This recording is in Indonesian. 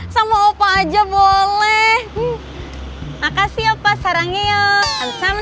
sampai jumpa di video selanjutnya